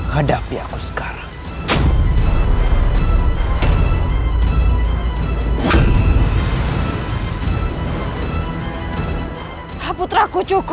hadapi aku sekarang